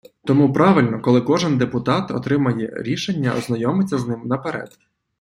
Тому правильно, коли кожен депутат отримає рішення, ознайомиться з ним наперед.